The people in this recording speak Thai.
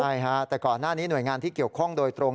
ใช่ฮะแต่ก่อนหน้านี้หน่วยงานที่เกี่ยวข้องโดยตรง